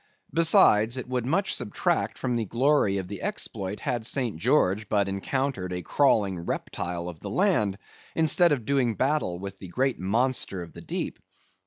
Besides, it would much subtract from the glory of the exploit had St. George but encountered a crawling reptile of the land, instead of doing battle with the great monster of the deep.